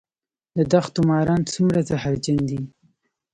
د دښتو ماران څومره زهرجن دي؟